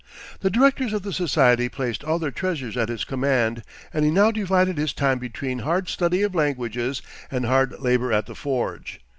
The directors of the Society placed all their treasures at his command, and he now divided his time between hard study of languages and hard labor at the forge.